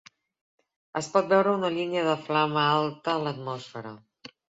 Es pot veure una línia de flama alta a l'atmosfera.